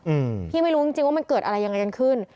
อืมพี่ไม่รู้จริงจริงว่ามันเกิดอะไรยังไงกันขึ้น